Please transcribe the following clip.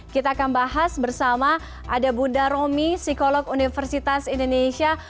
kita akan bahas bersama ada bunda romi psikolog universitas indonesia